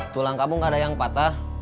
tulang kamu gak ada yang patah